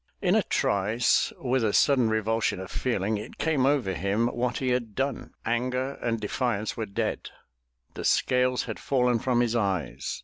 In a trice with a sudden revulsion of feeling, it came over him what he had done. Anger and defiance were dead. The scales had fallen from his eyes.